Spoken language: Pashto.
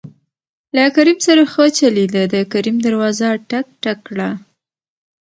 له کريم سره ښه چلېده د کريم دروازه ټک، ټک کړه.